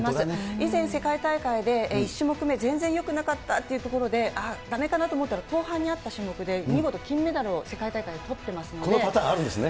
以前、世界大会で１種目目、全然よくなかったっていうところで、ああ、だめかなと思ったら後半にあった種目で見事、金メダルを世界大会このパターンあるんですね。